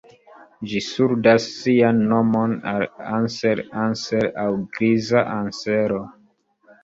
Ĝi ŝuldas sian nomon al "Anser Anser" aŭ griza ansero.